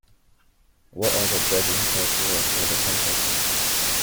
What are the judging criteria for the contest?